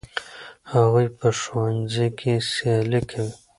هغوی په ښوونځي کې سیالي کوي.